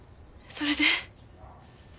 それで？